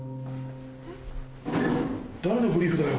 誰のブリーフだよ。